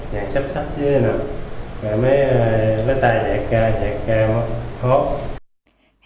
dạng sắp sắp dưới này rồi em mới lấy tay dạy cao dạy cao hốt